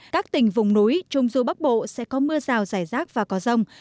các tỉnh vùng núi trung du bắc bộ sẽ có mưa rào rải rác và có rông